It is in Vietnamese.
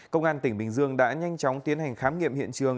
công an tỉnh bình dương đã nhanh chóng tiến hành khám nghiệm hiện trường